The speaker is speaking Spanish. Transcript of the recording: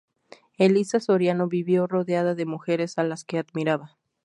Elisa Soriano vivió rodeada de mujeres a las que admiraba.